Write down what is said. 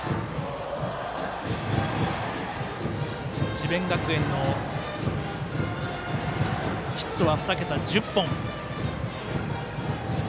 智弁学園のヒットは２桁１０本。